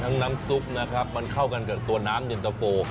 น้ำซุปนะครับมันเข้ากันกับตัวน้ำเย็นตะโฟ